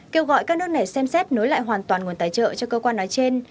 kêu gọi các nước này xem xét nối lại hoàn toàn nguồn tài trợ cho cơ quan nói trên